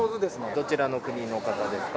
どちらの国の方ですか？